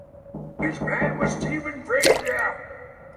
His ban was Stephen Prasca.